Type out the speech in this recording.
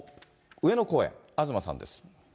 上野公園、東さんです。